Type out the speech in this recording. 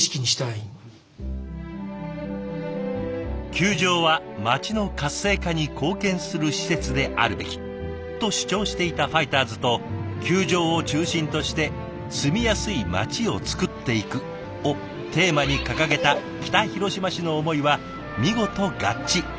「球場は町の活性化に貢献する施設であるべき」と主張していたファイターズと「球場を中心として住みやすい町をつくっていく」をテーマに掲げた北広島市の思いは見事合致。